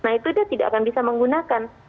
nah itu dia tidak akan bisa menggunakan